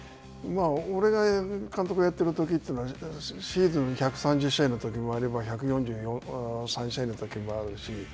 俺が監督やっているときというのは、シーズン１３０試合のときもあれば、１４３試合のときもあるし。